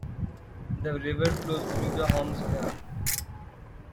The river flows through the Homs Gap.